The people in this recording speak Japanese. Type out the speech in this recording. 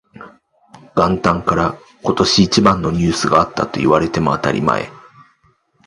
元旦から今年一番のニュースがあったと言われても当たり前